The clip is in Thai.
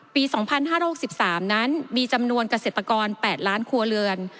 ปี๒๕๖๓นั้นมีจำนวนเกษตรกร๘ล้านครัวเรือน